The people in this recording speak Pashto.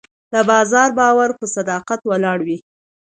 د بازار باور په صداقت ولاړ وي.